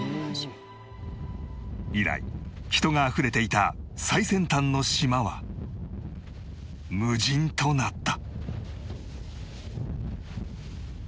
以来人があふれていた最先端の島は無人となった